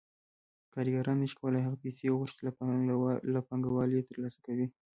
کارګران نشي کولای هغه پیسې وخوري چې له پانګوال یې ترلاسه کوي